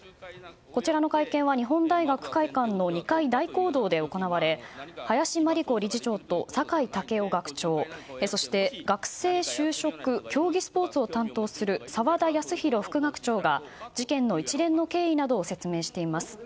こちらの会見は日本大学会館の２階大講堂で行われ林真理子理事長と酒井健夫学長そして学生就職・競技スポーツを担当する澤田康広副学長が、事件の一連の経緯などを説明しています。